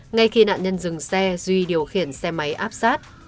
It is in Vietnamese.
ngay khi nạn nhân dừng xe duy điều khiển xe máy áp sát